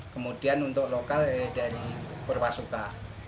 kemudian untuk lokal dari purwasuka